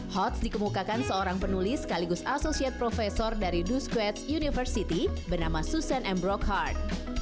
hots dikemukakan seorang penulis sekaligus asosiat profesor dari duskwets university bernama susan m brockhart